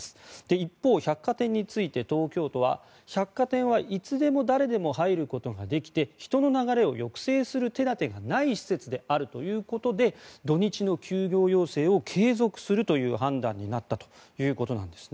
一方、百貨店について東京都は百貨店はいつでも誰でも入ることができて人の流れを抑制する手立てがない施設であるということで土日の休業要請を継続するという判断になったということです。